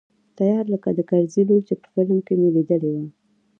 تيار لکه د کرزي لور چې په فلم کښې مې ليدلې وه.